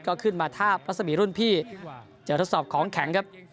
ก็ขึ้นมาทาบรัศมีรุ่นพี่จะทดสอบของแข็งครับ